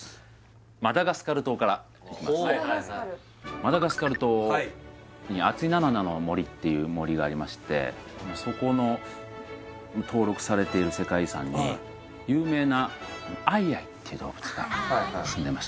マダガスカル島にアツィナナナの森っていう森がありましてそこの登録されている世界遺産に有名なアイアイっていう動物がすんでます